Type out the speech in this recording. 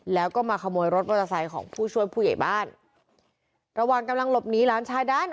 แล้วก็มาขโมยรถมอเตอร์ไซค์ของผู้ช่วยผู้ใหญ่บ้านระหว่างกำลังหลบหนีหลานชายด้าน